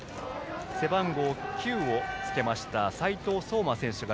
背番号９をつけました齋藤颯真選手が